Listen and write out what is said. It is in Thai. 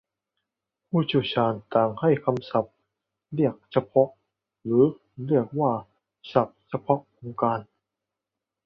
ผู้เชี่ยวชาญต่างใช้คำเรียกเฉพาะหรือเรียกว่าศัทพ์เฉพาะวงการ